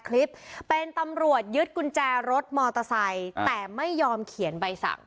คลิปเป็นตำรวจยึดกุญแจรถมอเตอร์ไซค์แต่ไม่ยอมเขียนใบสั่ง